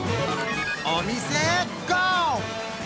お店へゴー！